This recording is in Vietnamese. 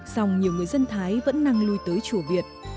dòng nhiều người dân thái vẫn năng lui tới chùa việt